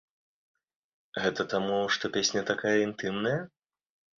Гэта таму, што песня такая інтымная?